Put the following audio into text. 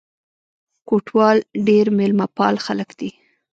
کوټوال ډېر مېلمه پال خلک دي.